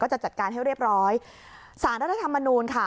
จะจัดการให้เรียบร้อยสารรัฐธรรมนูลค่ะ